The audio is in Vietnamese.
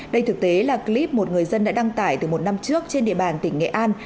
đây thực tế là clip một người dân đã đăng tải từ một năm trước trên địa bàn tỉnh nghệ an